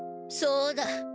そうだ。